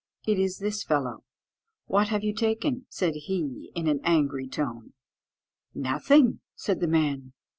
It is this fellow. What have you taken?" said he, in an angry tone. "Nothing," said the man.